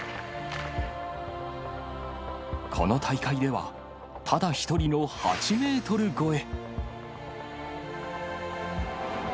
この大会では、ただ一人の８メートル超え。